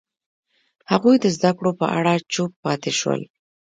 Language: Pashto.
هغوی د زده کړو په اړه چوپ پاتې شول.